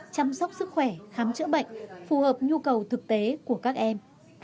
chăm sóc sức khỏe khám chữa bệnh phù hợp nhu cầu thực tế của các em